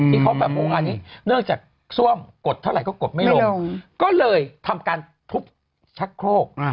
ที่เขาแบบโอ้อันนี้เนื่องจากซ่วมกดเท่าไหร่ก็กดไม่ลงก็เลยทำการทุบชักโครก